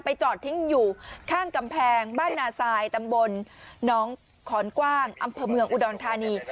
จอดทิ้งอยู่ข้างกำแพงบ้านนาซายตำบลน้องขอนกว้างอำเภอเมืองอุดรธานี